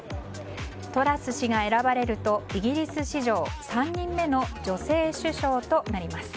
トラス氏が選ばれるとイギリス史上３人目の女性首相となります。